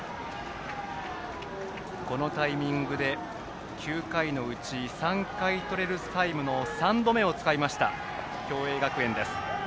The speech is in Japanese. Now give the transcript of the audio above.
このタイミングで９回のうち３回取れるタイムの３度目を使いました共栄学園です。